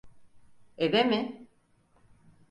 Eve mi?